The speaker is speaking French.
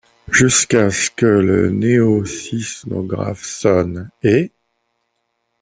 Jusqu’à ce que le noésismographe sonne, hé. ..